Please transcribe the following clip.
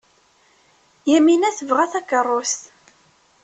Yamina tebɣa takeṛṛust.